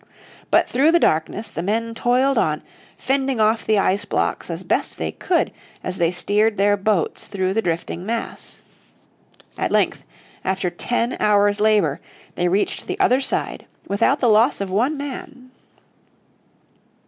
But through the darkness the men toiled on, fending off the ice blocks as best they could as they steered their boats through the drifting mass. At length, after ten hours' labour, they reached the other side without the loss of one man.